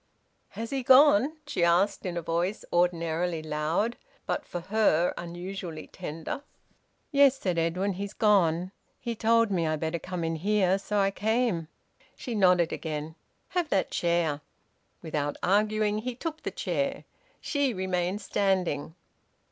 "Has he gone?" she asked, in a voice ordinarily loud, but, for her, unusually tender. "Yes," said Edwin. "He's gone. He told me I'd better come in here. So I came." She nodded again. "Have that chair." Without arguing, he took the chair. She remained standing.